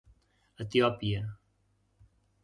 Etiòpia.